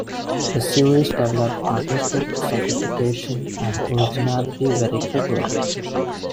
The series developed artistic sophistication and originality very quickly.